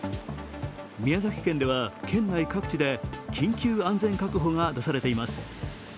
宮崎県では県内各地で緊急安全確保が出されています。